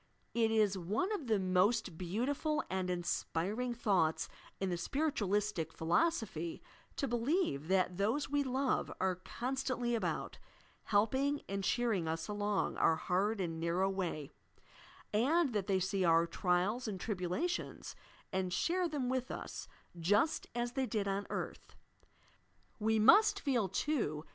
It is one of the most beautiful and inspiring thoughts in the Spiritualislic Philosophy to believe that those we love are constantly about, helping and cheering us, along our hard and narrow way ; and that they see our trials and tribulations, and share them with us, just as they did on earth. We must feel, too.